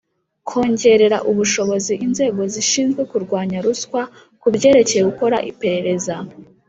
Kongerera ubushobozi inzego zishinzwe kurwanya ruswa ku byerekeye gukora iperereza